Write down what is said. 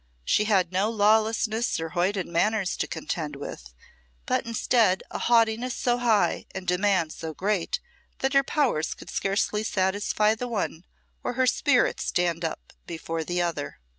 She had no lawlessness or hoyden manners to contend with, but instead a haughtiness so high and demands so great that her powers could scarcely satisfy the one or her spirit stand up before the other.